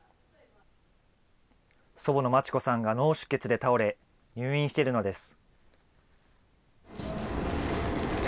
祖母の待子さんが脳出血で倒れ、入院しているのです。